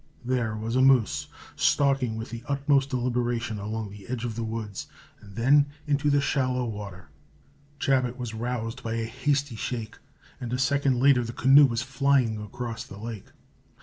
There was a moose, stalking with the utmost deliberation along the edge of the woods and then into the shallow water. Chabot was roused by a hasty shake, and a second later the canoe was flying across the lake.